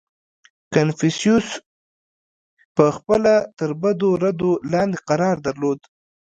• کنفوسیوس پهخپله تر بدو ردو لاندې قرار درلود.